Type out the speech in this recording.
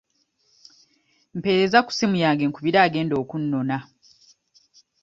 Mpeereza ku ssimu yange nkubira agenda okunnona.